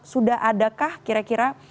sudah adakah kira kira